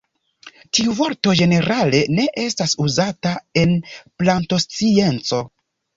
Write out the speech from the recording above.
Tiu vorto ĝenerale ne estas uzata en plantoscienco.